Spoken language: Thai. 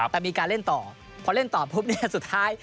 แต่มีการเล่นต่อพอเล่นต่อปุ๊บเนี่ยสุดท้าย